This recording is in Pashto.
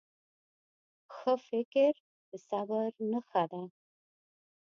ښه فکر د صبر نښه ده.